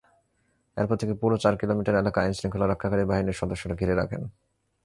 এরপর থেকে পুরো চার কিলোমিটার এলাকা আইনশৃঙ্খলা রক্ষাকারী বাহিনীর সদস্যরা ঘিরে রাখেন।